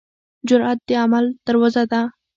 جرئت د عمل دروازه ده.